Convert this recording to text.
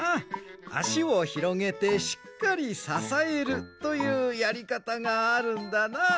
あしをひろげてしっかりささえるというやりかたがあるんだな。